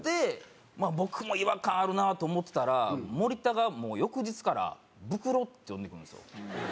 僕も違和感あるなと思ってたら森田がもう翌日から「ブクロ」って呼んでくるんですよ。